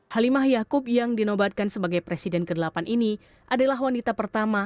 halimah yaakub yang dinobatkan sebagai presiden ke delapan ini adalah wanita pertama